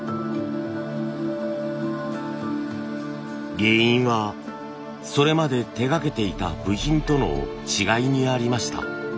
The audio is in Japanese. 原因はそれまで手がけていた部品との違いにありました。